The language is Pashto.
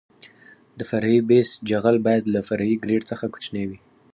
د فرعي بیس جغل باید له فرعي ګریډ څخه کوچنی وي